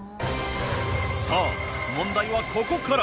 さぁ問題はここから。